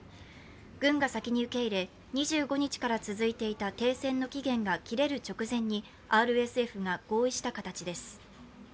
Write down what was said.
軍が先に受け入れ２５日から続いていた停戦の期限が切れる直前にＲＳＦが合意した形です。